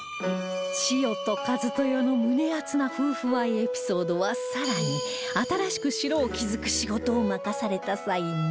千代と一豊の胸アツな夫婦愛エピソードはさらに新しく城を築く仕事を任された際にも